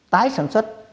tái sản xuất